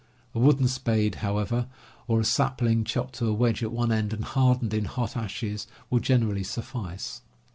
A wooden spade, however, or a sapling chopped to a wedge at one end and hardened in hot ashes, will gen erally suffice.